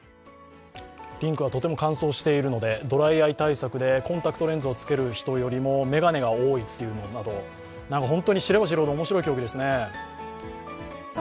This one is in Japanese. リンクはとても乾燥しているのでドライアイ対策でコンタクトレンズをつける人よりもメガネが多いということなど、知れば知るほど面白い競技ですね。